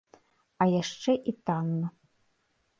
А яшчэ і танна.